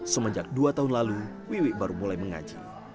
semenjak dua tahun lalu wiwi baru mulai mengaji